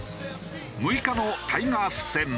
６日のタイガース戦。